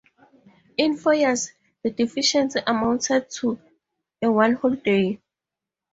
In four years, the deficiency amounted to one whole day.